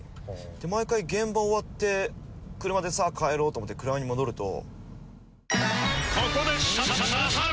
毎回現場終わって車でさあ帰ろうと思って車に戻ると。